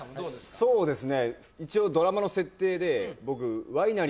そうですね